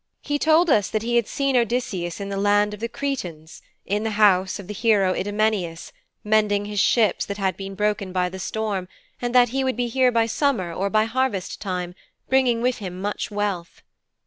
He told us that he had seen Odysseus in the land of the Cretans, in the house of the hero Idomeneus, mending his ships that had been broken by the storm, and that he would be here by summer or by harvest time, bringing with him much wealth.'